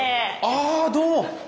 あどうも。